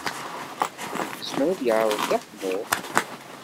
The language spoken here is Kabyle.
Yezmer ad yeɛreḍ Dda Ḥemmu?